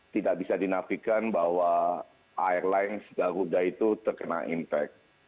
tidak bisa dinafikan bahwa airlines garuda itu terkena impact